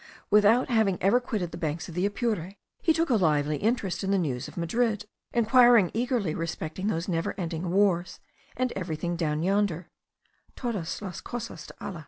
Without having ever quitted the banks of the Apure, he took a lively interest in the news of Madrid enquiring eagerly respecting those never ending wars, and everything down yonder (todas las cosas de alla).